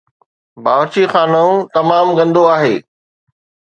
باورچی خانه تمام گندو آهي